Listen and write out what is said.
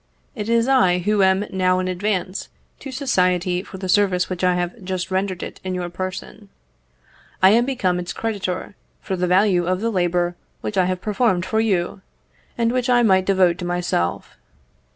It is I who am now in advance to society for the service which I have just rendered it in your person. I am become its creditor for the value of the labour which I have performed for you, and which I might devote to myself.